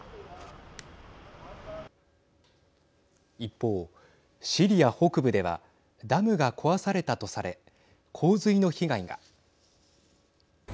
一方、シリア北部ではダムが壊されたとされ洪水の被害が。